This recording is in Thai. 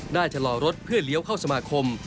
ชะลอรถเพื่อเลี้ยวเข้าสมาคม